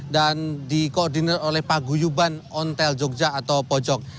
dan dikoordinir oleh pak guyuban jogja atau pojok